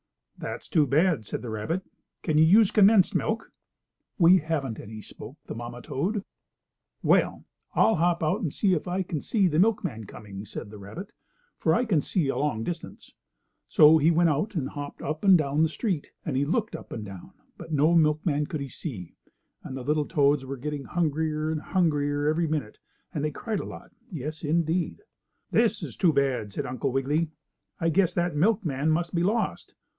"That's too bad," said the rabbit. "Can't you use condensed milk?" "We haven't any," spoke the mamma toad. "Well, I'll hop out and see if I can see the milkman coming," said the rabbit, "for I can see a long distance." So he went out and he hopped up and down the street, and he looked up and down, but no milkman could he see. And the little toads were getting hungrier and hungrier every minute and they cried a lot, yes, indeed! "This is too bad!" said Uncle Wiggily. "I guess that milkman must be lost.